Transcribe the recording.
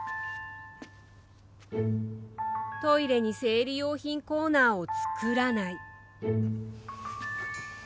トイレに生理用品コーナーを作らない。